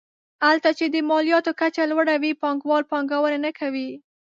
هلته چې د مالیاتو کچه لوړه وي پانګوال پانګونه نه کوي.